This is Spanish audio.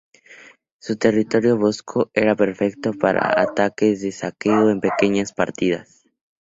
Su territorio boscoso era perfecto para los ataques de saqueo en pequeñas partidas.